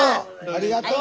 ありがとう！